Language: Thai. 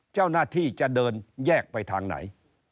เจ้าหน้าที่จะเดินแยกไปทางไหน